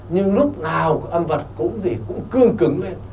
nhưng lúc nào âm vật cũng gì cũng cương cứng ấy